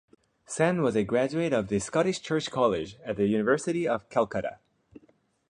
Sen was a graduate of the Scottish Church College, at the University of Calcutta.